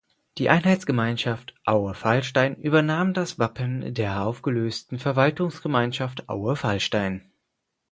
Die Einheitsgemeinde Aue-Fallstein übernahm das Wappen der aufgelösten Verwaltungsgemeinschaft Aue-Fallstein.